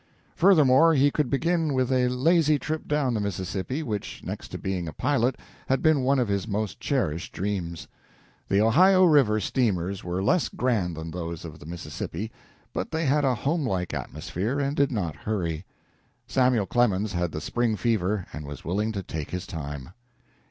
Furthermore, he could begin with a lazy trip down the Mississippi, which, next to being a pilot, had been one of his most cherished dreams. The Ohio River steamers were less grand than those of the Mississippi, but they had a homelike atmosphere and did not hurry. Samuel Clemens had the spring fever and was willing to take his time.